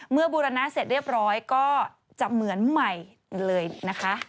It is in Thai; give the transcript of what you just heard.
บูรณะเสร็จเรียบร้อยก็จะเหมือนใหม่เลยนะคะ